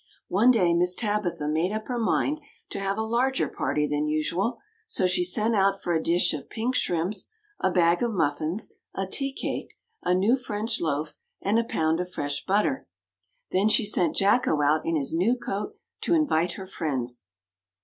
One day Miss Tabitha made up her mind to have a larger party than usual, so she sent out for a dish of pink shrimps, a bag of muffins, a tea cake, a new French loaf, and a pound of fresh butter. Then she sent Jacko out in his new coat to invite her friends.